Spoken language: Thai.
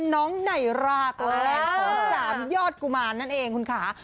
น้องไนร่าตัวแรกของสามยอดกุมารนั่นเองคุณค่ะ